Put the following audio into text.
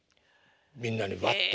みんなにバッと。